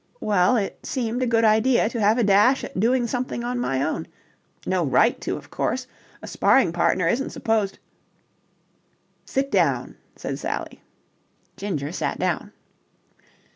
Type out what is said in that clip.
well, it seemed a good idea to have a dash at doing something on my own. No right to, of course. A sparring partner isn't supposed..." "Sit down," said Sally. Ginger sat down.